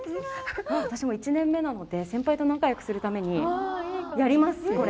私も１年目なので、先輩と仲よくするためにやります、これ。